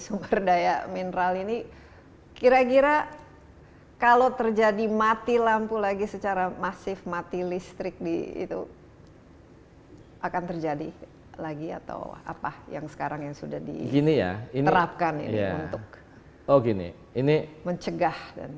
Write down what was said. sumber daya mineral ini kira kira kalau terjadi mati lampu lagi secara masif mati listrik itu akan terjadi lagi atau apa yang sekarang yang sudah diterapkan ini untuk mencegah